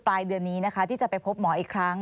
ปลายเดือนนี้นะคะที่จะไปพบหมออีกครั้ง